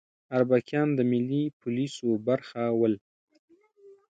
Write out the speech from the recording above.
اربکیان د ملي پولیسو برخه ول